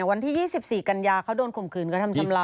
วันที่๒๔กันยาเขาโดนข่มขืนกระทำชำลา